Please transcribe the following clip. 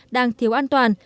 đang thiếu an toàn